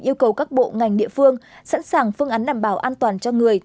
yêu cầu các bộ ngành địa phương sẵn sàng phương án đảm bảo an toàn cho người